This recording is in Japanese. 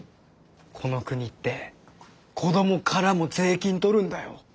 この国って子どもからも税金取るんだよ。